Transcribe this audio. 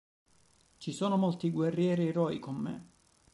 Ci sono molti guerrieri eroi con me.